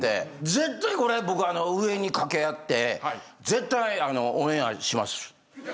絶対これ僕上に掛け合って絶対オンエアします。